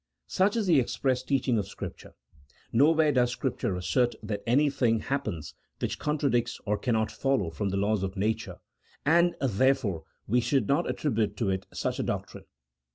Such is the express teaching of Scripture : nowhere does Scripture assert that anything happens which contradicts, or cannot follow from the laws of nature ; and, therefore, we should not attribute to it such a doctrine.